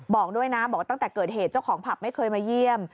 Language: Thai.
บอกด้วยนะบอกว่าตั้งแต่เกิดเหตุเจ้าของผับไม่เคยมาเยี่ยม